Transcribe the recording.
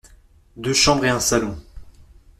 Deux chambres et un salon.